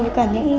với cả những